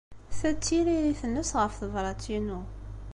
Ta d tiririt-nnes ɣef tebṛat-inu.